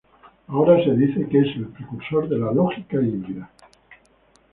Ahora se dice que es el precursor de la lógica híbrida.